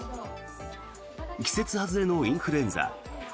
季節外れのインフルエンザ。